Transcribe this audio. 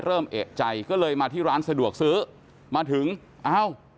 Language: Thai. เริ่มเอกใจก็เลยมาที่ร้านสะดวกซื้อมาถึงเอ้า